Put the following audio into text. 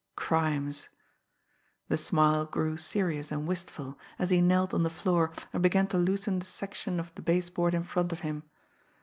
Crimes! The smile grew serious and wistful, as he knelt on the floor and began to loosen the section of the baseboard in front of him.